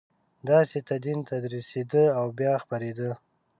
داسې تدین تدریسېده او بیا خپرېده.